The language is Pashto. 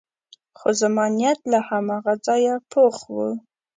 خو زما نیت له هماغه ځایه پخ و.